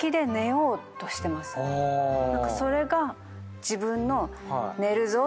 何かそれが自分の。